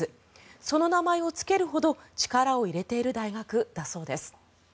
その名前をつけるほど力を入れている大学だそうです。